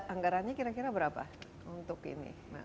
anggarannya kira kira berapa untuk ini